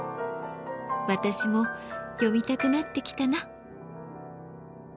私も読みたくなってきたな！